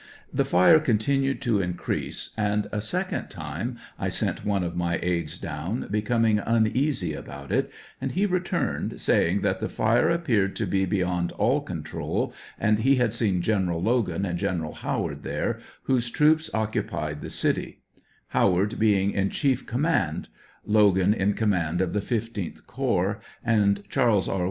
The fire continued to increase, and a second time 1 sent one of my aids down, becom ing uneasy about it, and he returned, saying that the fire appeared to be beyond all control, and he had seen General Logan and General Howard there, whose troops occupied the city; Howard being in chief com 77 m an d ; Logan in command of the 15th corps, and Charles R.